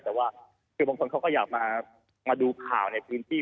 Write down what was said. แต่ว่าคือบางคนเขาก็อยากมาดูข่าวในพื้นที่